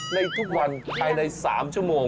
ในทุกวันใครในสามชั่วโมง